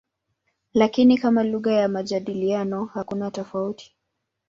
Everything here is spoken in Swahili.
Lakini kama lugha ya majadiliano hakuna tofauti.